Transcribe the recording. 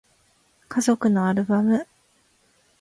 家族のアルバム